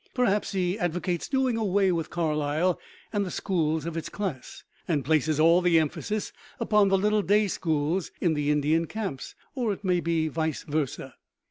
Perhaps he advocates doing away with Carlisle and the schools of its class, and places all the emphasis upon the little day schools in the Indian camps; or it may be vice versa.